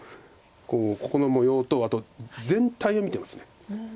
ここの模様とあと全体を見てます。